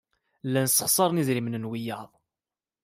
Llan ssexṣaren idrimen n wiyaḍ.